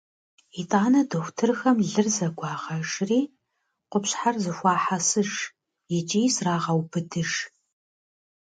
Итӏанэ дохутырхэм лыр зэгуагъэжри, къупщхьэр зэхуахьэсыж икӏи зрагъэубыдыж.